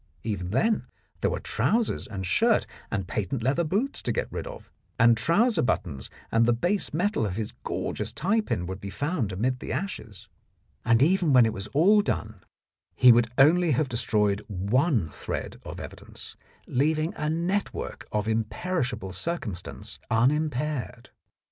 Even then there were trousers and shirt and patent leather boots to get rid of, and trouser buttons and the base metal of his gorgeous tie pin would be found amid the ashes. And even when it was all done, he would only have 59 The Blackmailer of Park Lane destroyed one thread of evidence, leaving a network of imperishable circumstance unimpaired.